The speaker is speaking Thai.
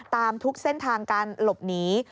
ตามทุกเส้นทางการหลบหนี